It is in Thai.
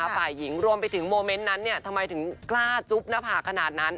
ฝ่ายหญิงรวมไปถึงโมเมนต์นั้นทำไมถึงกล้าจุ๊บหน้าผากขนาดนั้น